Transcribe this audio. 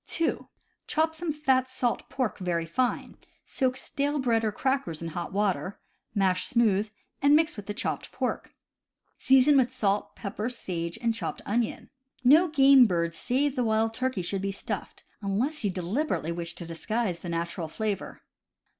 (2) Chop some fat salt pork very fine; soak stale bread or crackers in hot water, mash smooth, and mix with the chopped pork. Season with salt, pepper, sage, and chopped onion. No game bird save the wild turkey should be stuffed, unless you deliberately wish to disguise the natural flavor.